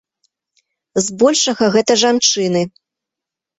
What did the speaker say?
З большага гэта жанчыны!